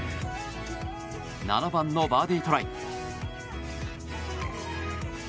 ７番のバーディートライ。